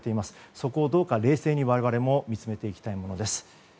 そこをどうか冷静に我々も見つめていきたいものです。